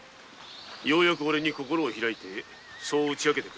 ようやくおれに心を開いてそう打ち明けた。